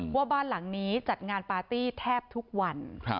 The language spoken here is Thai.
ว่าบ้านหลังนี้จัดงานปาร์ตี้แทบทุกวัน